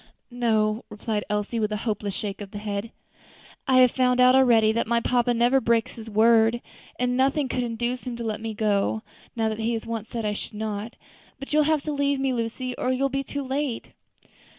"No," replied Elsie, with a hopeless shake of the head, "I have found out already that my papa never breaks his word; and nothing could induce him to let me go, now that he has once said I should not. But you will have to leave me, Lucy, or you will be too late."